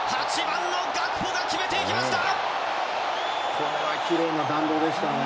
８番のガクポが決めていきました！